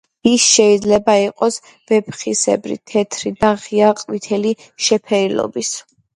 ის შეიძლება იყოს ვეფხვისებრი, თეთრი და ღია ყვითელი შეფერილობის.